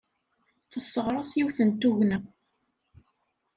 Tesseɣres yiwet n tugna.